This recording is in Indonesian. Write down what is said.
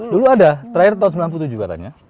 dulu ada terakhir tahun sembilan puluh tujuh